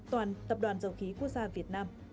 toàn tập đoàn dầu khí quốc gia việt nam